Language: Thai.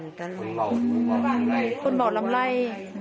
คุณหม่อลำไลคุณหม่อลำไล